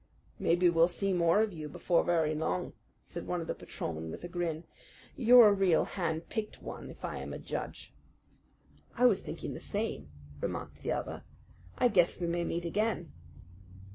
"Maybe we'll see more of you before very long," said one of the patrolmen with a grin. "You're a real hand picked one, if I am a judge." "I was thinking the same," remarked the other. "I guess we may meet again."